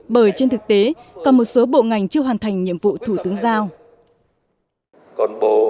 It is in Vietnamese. bởi trên thực tế còn một số bộ ngành chưa hoàn thành nhiệm vụ thủ tướng giao